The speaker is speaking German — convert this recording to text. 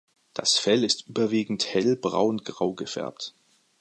Das Fell ist überwiegend hell braungrau gefärbt.